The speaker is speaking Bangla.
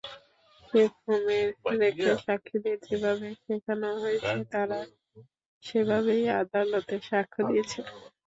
সেফহোমে রেখে সাক্ষীদের যেভাবে শেখানো হয়েছে, তাঁরা সেভাবেই আদালতে সাক্ষ্য দিয়েছেন।